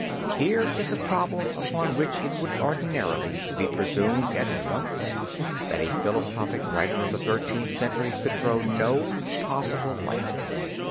Here is a problem upon which it would ordinarily be presumed at once, that a philosophic writer of the Thirteenth Century could throw no possible light.